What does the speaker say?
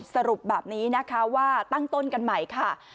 สรุปแบบนี้นะคะว่าตั้งต้นกันใหม่ค่ะ